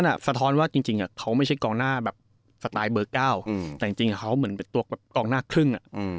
นั่นสะท้อนว่าจริงเขาไม่ใช่กองหน้าสไตล์เบอร์๙แต่ก็เหมือนไปกองหน้าครึ่ง